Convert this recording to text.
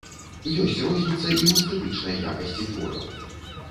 Ёсць розніца і ў эстэтычнай якасці твораў.